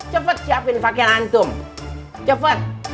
cepet siapin pakaian antum cepet